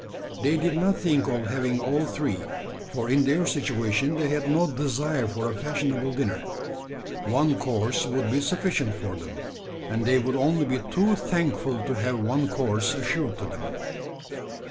They did not think of having all three: for in their situation they had no desire for a fashionable dinner. One course would be sufficient for them; and they would only be too thankful to have one course assured to them.